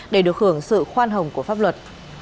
để được hưởng sự khoan hồng của pháp luật